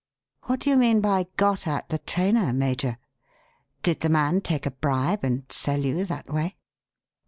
"What do you mean by 'got at' the trainer, Major? Did the man take a bribe and 'sell' you that way?"